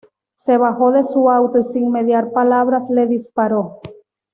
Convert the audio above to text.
Se bajó de su auto y sin mediar palabras le disparó.